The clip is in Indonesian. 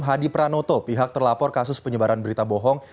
hadi pranoto pihak terlapor kasus penyebaran berita bohong